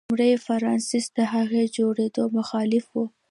لومړي فرانسیس د هغې د جوړېدو مخالف و.